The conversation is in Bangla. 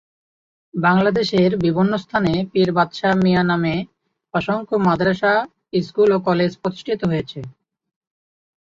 বাংলাদেশের বিভিন্ন স্থানে পীর বাদশা মিয়া নামে অসংখ্য মাদ্রাসা, স্কুল ও কলেজ প্রতিষ্ঠিত হয়েছে।